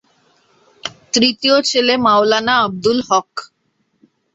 তৃতীয় ছেলে মাওলানা আব্দুল হক।